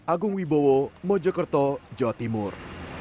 agung wibowo mojokerto jawa timur